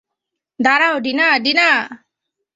দাঁড়াও, Dina, dinner!